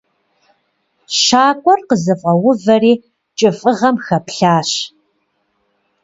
Щакӏуэр къызэфӏэувэри кӏыфӏыгъэм хэплъащ.